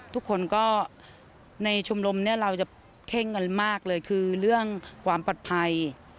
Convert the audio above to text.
ทุกคนก็ในชมรมเนี่ยเราจะเข้งกันมากเลยคือเรื่องความปลอดภัย